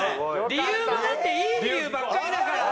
理由もだっていい理由ばっかりだから。